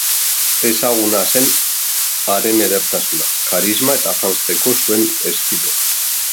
Ezaguna zen haren edertasuna, karisma eta janzteko zuen estiloa.